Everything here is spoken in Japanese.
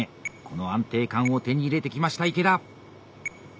この安定感を手に入れてきました池田。